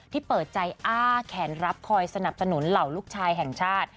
เปิดใจอ้าแขนรับคอยสนับสนุนเหล่าลูกชายแห่งชาติ